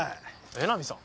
江波さん。